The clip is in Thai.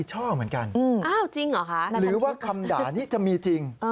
หรือว่าคำด่านี้จะมีจริง